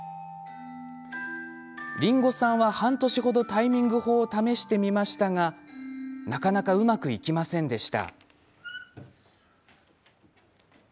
りんごさんは半年程タイミング法を試してみましたがなかなかうまくいきませんでした。